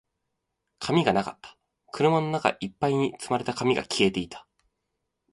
紙がなかった。車の中一杯に積まれた紙が消えていた。